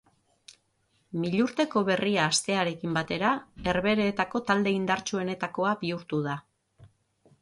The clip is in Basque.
Milurteko berria hastearekin batera Herbeheretako talde indartsuenetakoa bihurtu da.